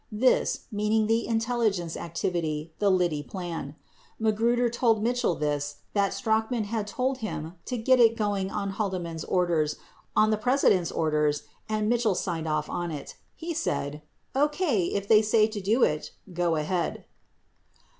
This, meaning the intelligence activity, the Liddy program. Magruder told Mitchell this, that Strachan had told him to get it going on Haldeman's orders on the President's orders and Mitchell signed off on it. He said, "OK, if they say to do it, go ahead."